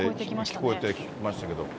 聞こえてきましたけど。